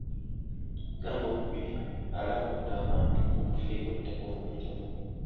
Gambobbi alabudde abantu ku bufere bw'ettaka obw'enjawulo.